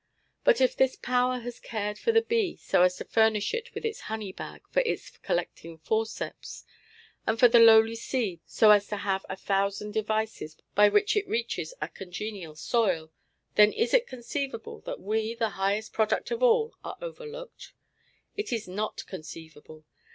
But if this power has cared for the bee so as to furnish it with its honey bag and its collecting forceps, and for the lowly seed so as to have a thousand devices by which it reaches a congenial soil, then is it conceivable that we, the highest product of all, are overlooked? It is NOT conceivable.